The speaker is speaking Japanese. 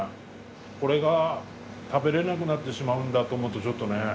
これが食べれなくなってしまうんだと思うとちょっとね。